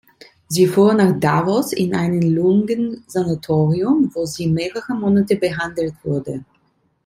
Sie fuhr nach Davos in ein Lungensanatorium, wo sie mehrere Monate behandelt wurde.